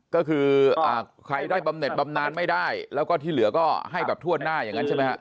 ก็คือใครได้บำเน็ตบำนานไม่ได้แล้วก็ที่เหลือก็ให้แบบทั่วหน้าอย่างนั้นใช่ไหมฮะ